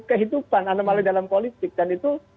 kehidupan anomali dalam politik dan itu